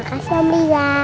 makasih pak riza